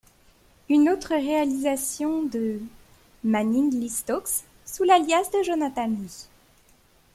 Une autre réalisation de … Manning Lee Stokes, sous l’alias de Jonathan Lee.